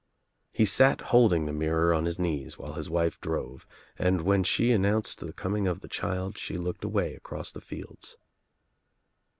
He sat holding the mir ror on his knees while his wife drove and when she announced the coming of the child she looked away across the fields.